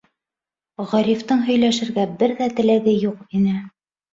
Ғарифтың һөйләшергә бер ҙә теләге юҡ ине.